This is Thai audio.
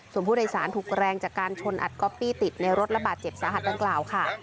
ส่วนผู้โดยสารถูกแรงจากการชนอัดก๊อปปี้ติดในรถระบาดเจ็บสาหัสดังกล่าวค่ะ